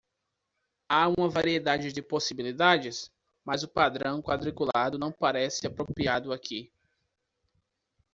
Há uma variedade de possibilidades?, mas o padrão quadriculado não parece apropriado aqui.